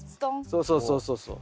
そうそうそうそうそう。